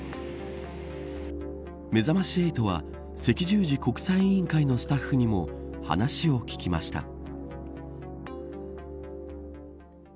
めざまし８は赤十字国際委員会のスタッフにも話を聞きました。